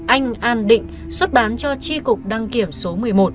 anh an định xuất bán cho tri cục đăng kiểm số một mươi một